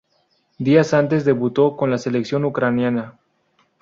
Días antes debutó con la selección ucraniana.